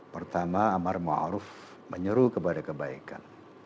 pertama amar ma'ruf menyeru kepada kebaikan